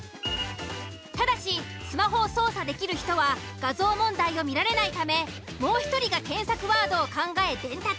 ただしスマホを操作できる人は画像問題を見られないためもう１人が検索ワードを考え伝達。